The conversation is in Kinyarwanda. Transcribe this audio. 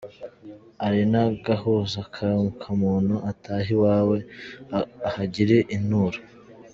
Ari n’Agahuza aka ka Muntu ; Atahe iwawe ahagire Inturo.